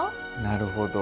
なるほど。